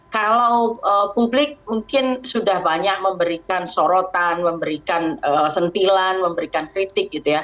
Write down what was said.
kalau publik mungkin sudah banyak memberikan sorotan memberikan sentilan memberikan kritik gitu ya